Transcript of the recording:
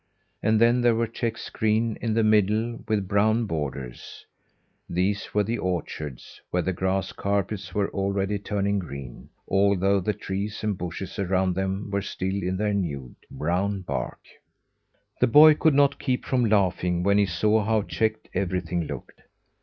And then there were checks green in the middle with brown borders: these were the orchards, where the grass carpets were already turning green, although the trees and bushes around them were still in their nude, brown bark. The boy could not keep from laughing when he saw how checked everything looked.